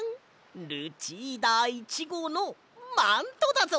ルチーダー１ごうのマントだぞ！